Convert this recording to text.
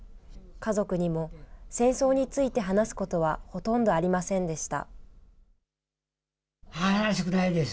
家族にも戦争について話すことはほとんどありませんでした。